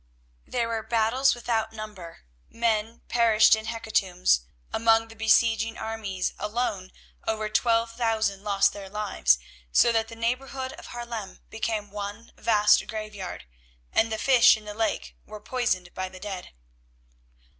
There were battles without number, men perished in hecatombs; among the besieging armies alone over twelve thousand lost their lives, so that the neighbourhood of Haarlem became one vast graveyard, and the fish in the lake were poisoned by the dead.